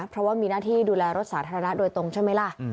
เพราะว่ามีหน้าที่ดูแลรถสาธารณะโดยตรงใช่ไหมล่ะ